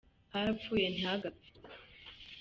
Harapfuye ntihagapfe.